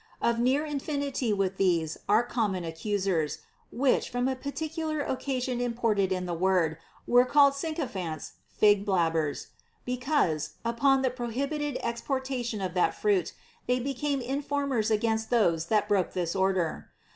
Of near affinity with these are common accusers, which, from a particular occasion imported in the word, were called sycophants, fig blabbers ; because, upon the prohib ited exportation of that fruit, they became informers against those that broke this order.